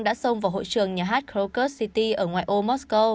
đã xông vào hội trường nhà hát crocus city ở ngoài ô moscow